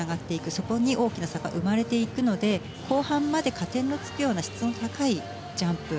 そこに大きな差が生まれてくるので後半まで加点がつくような質の高いジャンプ。